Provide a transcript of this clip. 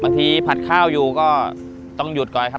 ผัดข้าวอยู่ก็ต้องหยุดก่อนครับ